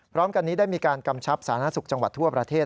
พร้อมกันนี้ได้มีการกำชับสาธารณสุขจังหวัดทั่วประเทศ